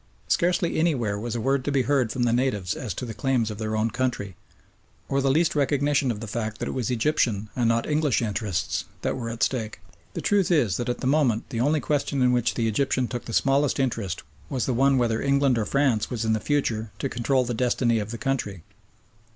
Scarcely anywhere was a word to be heard from the natives as to the claims of their own country, or the least recognition of the fact that it was Egyptian and not English interests that were at stake. The truth is that at the moment the only question in which the Egyptian took the smallest interest was the one whether England or France was in the future to control the destiny of the country.